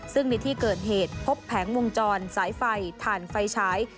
ซึ่งในที่เกิดเหตุพบแผงวงจรสายไฟถ่านไฟฉาย